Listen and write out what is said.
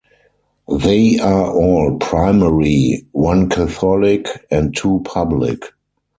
They are all primary, one Catholic and two public.